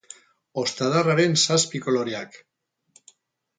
Ostadarraren zazpi koloreak.